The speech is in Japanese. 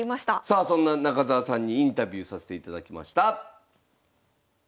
さあそんな中澤さんにインタビューさせていただきました。